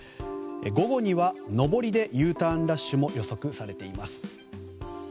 午後には上りでＵターンラッシュも予測されています。